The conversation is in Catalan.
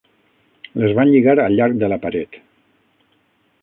Les van lligar al llarg de la paret